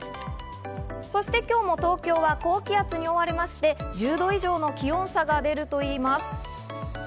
そして今日も東京は高気圧に覆われ、１０度以上の気温差が出るといいます。